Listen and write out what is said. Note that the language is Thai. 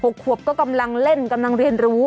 ขวบก็กำลังเล่นกำลังเรียนรู้